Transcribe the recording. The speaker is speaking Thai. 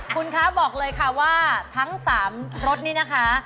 คุณคะบอกเลยค่ะว่าทั้ง๓รสนี่นะคะ